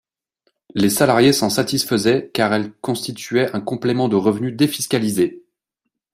Les salariés s’en satisfaisaient, car elles constituaient un complément de revenu défiscalisé.